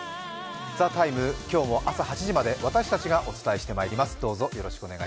「ＴＨＥＴＩＭＥ，」、今日も朝８時まで私たちがお伝えしてまいります。